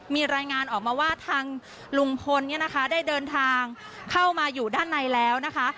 มีรายงานออกมาว่าทางลุงพลเนี่ยนะคะได้เดินทางเข้ามาอยู่ด้านในแล้วนะคะ